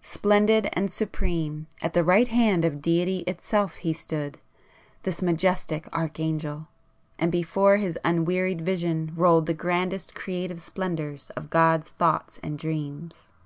Splendid and supreme, at the right hand of Deity itself he stood, this majestic Arch angel, and before his unwearied vision rolled the grandest creative splendours of God's thoughts and dreams.